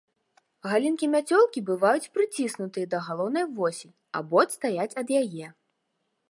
Галінкі мяцёлкі бываюць прыціснутыя да галоўнай восі або адстаяць ад яе.